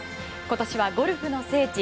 今年はゴルフの聖地